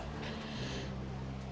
itu udah jelas suatu kebohongan besar